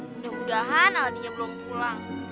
mudah mudahan aldinya belum pulang